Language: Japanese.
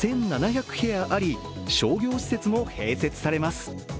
部屋あり商業施設も併設されます。